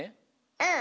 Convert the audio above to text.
うん。